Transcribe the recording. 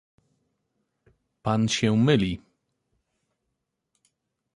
"„Pan się myli."